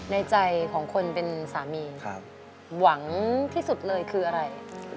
ในใจของคนเป็นสามีหวังที่สุดเลยคืออะไร